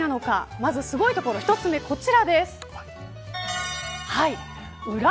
まずすごいところ１つ目、こちらです。